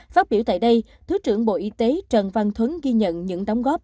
phát biểu tại đây thứ trưởng bộ y tế trần văn thuấn ghi nhận những đóng góp